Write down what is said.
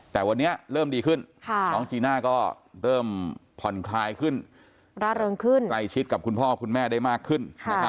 แต่วันนี้เริ่มดีขึ้นน้องจีน่าก็เริ่มผ่อนคลายขึ้นร่าเริงขึ้นใกล้ชิดกับคุณพ่อคุณแม่ได้มากขึ้น